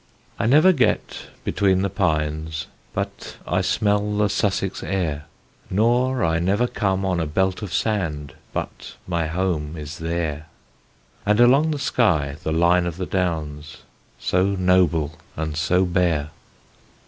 I never get between the pines, But I smell the Sussex air, Nor I never come on a belt of sand But my home is there; And along the sky the line of the Downs So noble and so bare.